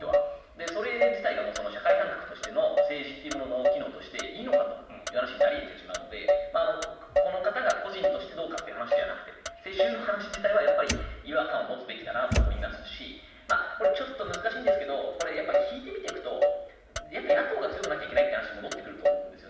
それ自体が社会参画としての政治の機能としていいのかという話になり得てしまうのでこの方が個人としてどうかという話ではなくて世襲の話はやっぱり違和感を持つべきだと思いますしちょっと難しいですが引いて見ていくと野党が強くなきゃいけないという話に戻ってくると思うんです。